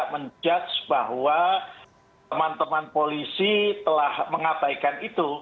menjudge bahwa teman teman polisi telah mengabaikan itu